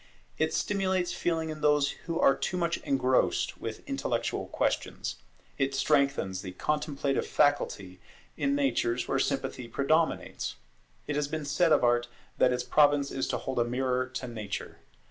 It stimulates feeling in those who are too much engrossed with intellectual questions: it strengthens the contemplative faculty in natures where sympathy predominates. It has been said of Art that its province is to hold a mirror to nature.